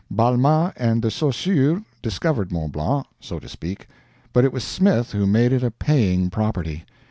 Balmat and De Saussure discovered Mont Blanc so to speak but it was Smith who made it a paying property.